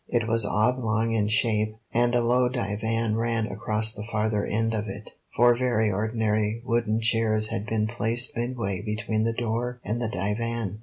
It was oblong in shape, and a low divan ran across the farther end of it. Four very ordinary wooden chairs had been placed midway between the door and the divan.